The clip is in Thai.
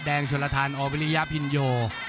แดงชวนละทานออเวรี่ยพินโย